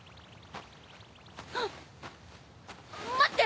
あっ待って！